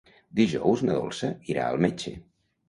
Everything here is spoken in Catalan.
Dijous na Dolça irà al metge.